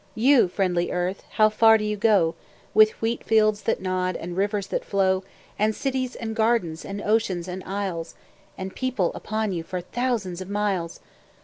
You friendly Earth, how far do you go, With wheat fields that nod, and rivers that flow, And cities and gardens and oceans and isles, And people upon you for thousands of miles?